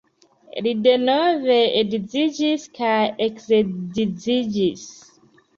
Li denove edziĝis kaj eksedziĝis.